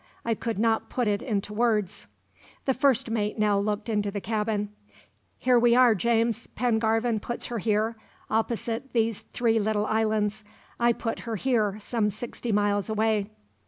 I could not put it into words." The first mate now looked into the cabin. "Here we are, James. Pengarvan puts her here, opposite these three little islands. I put her here some sixty miles away."